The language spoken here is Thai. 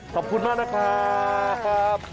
ขอบคุณมากนะครับ